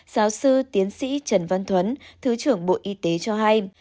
giáo sư tiến sĩ trần văn thuấn thứ trưởng bộ y tế cho hay